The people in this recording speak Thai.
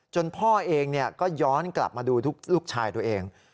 พ่อเองก็ย้อนกลับมาดูลูกชายตัวเอง